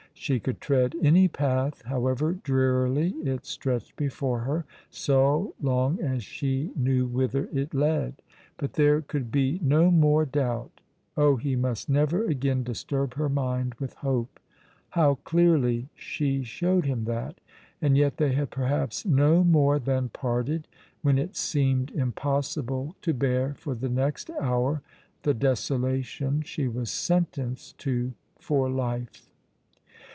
She could tread any path, however drearily it stretched before her, so long as she knew whither it led, but there could be no more doubt. Oh, he must never again disturb her mind with hope! How clearly she showed him that, and yet they had perhaps no more than parted when it seemed impossible to bear for the next hour the desolation she was sentenced to for life.